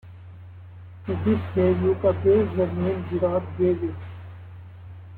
To this day Yucca bears the name Gerard gave it.